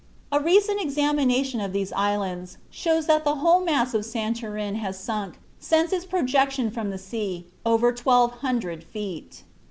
A recent examination of these islands shows that the whole mass of Santorin has sunk, since its projection from the sea, over 1200 feet.